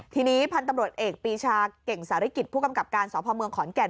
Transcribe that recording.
ทีนี้พันธุ์ตำรวจเอกปีชาเก่งสาริกิจผู้กำกับการสพเมืองขอนแก่น